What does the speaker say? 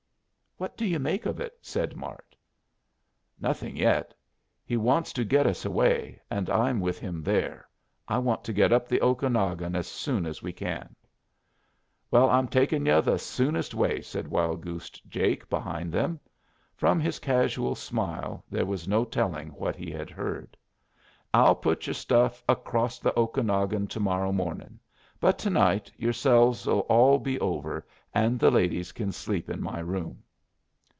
"What do you make out of it?" said Mart. "Nothing yet. He wants to get us away, and I'm with him there. I want to get up the Okanagon as soon as we can." "Well, I'm takin' yu' the soonest way," said Wild Goose Jake, behind them. From his casual smile there was no telling what he had heard. "I'll put your stuff acrosst the Okanagon to morrow mornin'. But to night yourselves'll all be over, and the ladies kin sleep in my room."